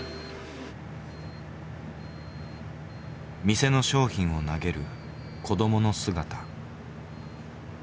店の商品を投げる子どもの姿。